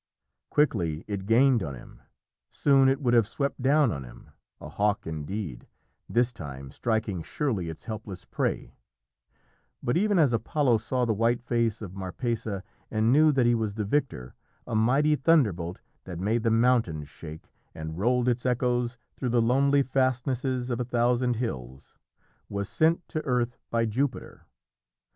Quickly it gained on him soon it would have swept down on him a hawk indeed, this time, striking surely its helpless prey but even as Apollo saw the white face of Marpessa and knew that he was the victor, a mighty thunderbolt that made the mountains shake, and rolled its echoes through the lonely fastnesses of a thousand hills, was sent to earth by Jupiter.